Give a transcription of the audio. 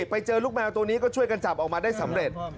ไปเจอลูกแมวตัวนี้ก็ช่วยกันจับออกมาได้สำเร็จ